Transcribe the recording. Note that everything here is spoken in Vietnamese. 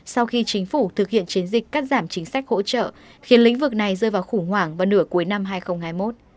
sau khi chính phủ thực hiện chiến dịch cắt giảm chính sách hỗ trợ khiến lĩnh vực này rơi vào khủng hoảng vào nửa cuối năm hai nghìn hai mươi một